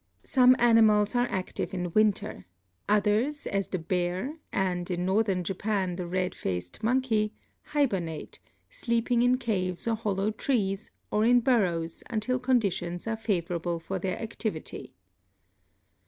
Some animals are active in winter; others, as the bear, and in northern Japan the red faced monkey, hibernate, sleeping in caves or hollow trees or in burrows until conditions are favor able for their activity.